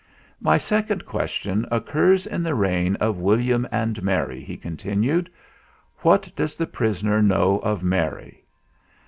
"My second question occurs in the reign of William and Mary," he continued. "What does the prisoner know of Mary?"